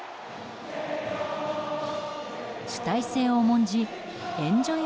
主体性を重んじエンジョイ